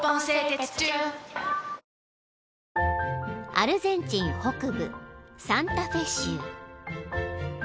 ［アルゼンチン北部サンタフェ州］